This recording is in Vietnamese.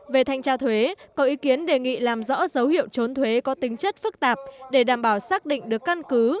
về thanh tra thuế có ý kiến đề nghị làm rõ dấu hiệu trốn thuế có tính chất phức tạp để đảm bảo xác định được căn cứ